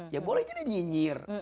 ya boleh jadi nyinyir